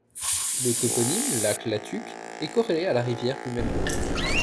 Le toponyme Lac la Tuque est corellé à la rivière du même nom.